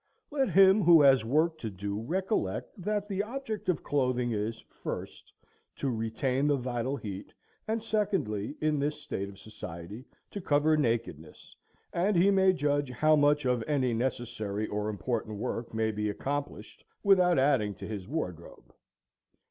Let him who has work to do recollect that the object of clothing is, first, to retain the vital heat, and secondly, in this state of society, to cover nakedness, and he may judge how much of any necessary or important work may be accomplished without adding to his wardrobe.